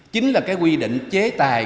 chính là cái quy định chế tài